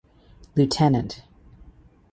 Lieut.